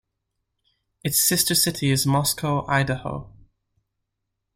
Its sister city is Moscow, Idaho.